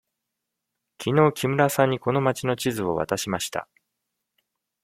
きのう木村さんにこの町の地図を渡しました。